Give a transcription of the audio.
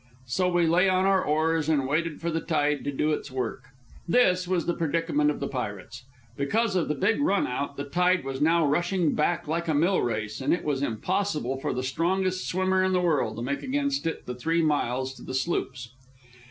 So we lay on our oars and waited for the tide to do its work. This was the predicament of the pirates: because of the big run out, the tide was now rushing back like a mill race, and it was impossible for the strongest swimmer in the world to make against it the three miles to the sloops.